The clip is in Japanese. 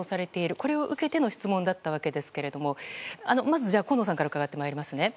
これを受けての質問だったわけですけれどもまず、じゃあ河野さんから伺ってまいりますね。